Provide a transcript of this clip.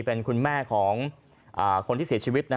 เป็นคุณแม่ของคนที่เสียชีวิต